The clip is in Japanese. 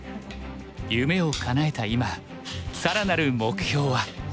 夢をかなえた今更なる目標は。